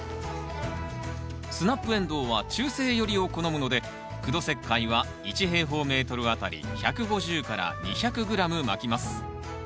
スナップエンドウは中性寄りを好むので苦土石灰は１あたり１５０から２００ｇまきます。